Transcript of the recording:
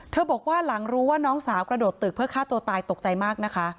บอกว่าหลังรู้ว่าน้องสาวกระโดดตึกเพื่อฆ่าตัวตายตกใจมากนะคะ